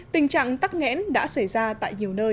tình trạng tắc nghẽn đã xảy ra tại nhiều nơi